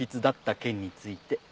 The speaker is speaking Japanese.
だった件について」